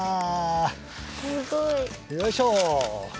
すごい。よいしょ。